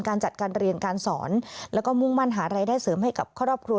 การจัดการเรียนการสอนแล้วก็มุ่งมั่นหารายได้เสริมให้กับครอบครัว